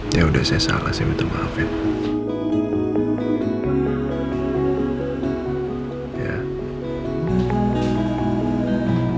yaudah saya salah sih minta maaf ya